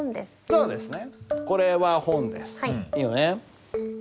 そうですね。